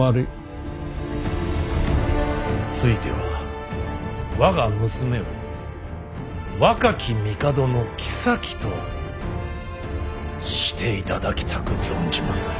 ついては我が娘を若き帝の后としていただきたく存じまする。